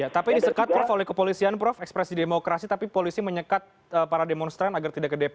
tapi disekat prof oleh kepolisian prof ekspresi demokrasi tapi polisi menyekat para demonstran agar tidak ke dpr